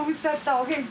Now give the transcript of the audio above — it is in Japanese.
お元気？